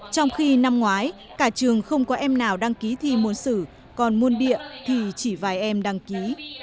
trong khi năm ngoái cả trường không có em nào đăng ký thi môn sử còn môn địa thì chỉ vài em đăng ký